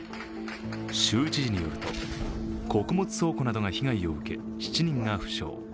州知事によると、穀物倉庫などが被害を受け、７人が負傷。